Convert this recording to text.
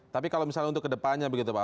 tapi kalau misalnya untuk kedepannya begitu pak